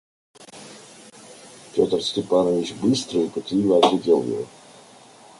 Петр Степанович быстро и пытливо оглядел его.